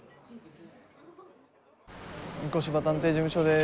御子柴探偵事務所です。